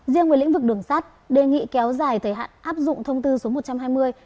riêng với lĩnh vực đường sắt đề nghị kéo dài thời hạn áp dụng thông tư số một trăm hai mươi